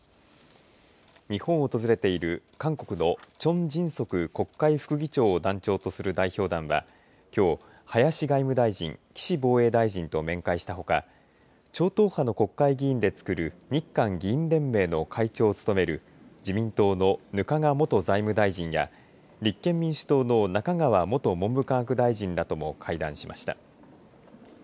日本を訪れている韓国のチョン・ジンソク国会副議長を代表とする代表団はきょう、林外務大臣岸防衛大臣と面会したほか超党派の国会議員でつくる日韓議員連盟の会長を務める自民党の額賀元財務大臣や立憲民主党の中川元文部科学大臣らとも会談しました。